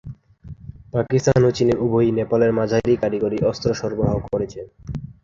পাকিস্তান ও চীনের উভয়ই নেপালের মাঝারি কারিগরি অস্ত্র সরবরাহ করেছে।